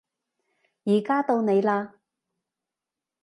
而家到你嘞